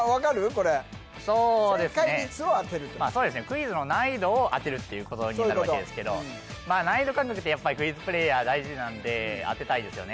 これ正解率を当てるとまあそうですねっていうことになるわけですけど難易度感覚ってやっぱりクイズプレーヤー大事なんで当てたいですよね